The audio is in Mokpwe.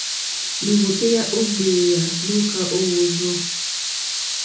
Lìwòtéyá ó gbèyà lùúkà ó hwò.